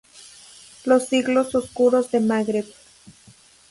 Los "siglos oscuros del Magreb".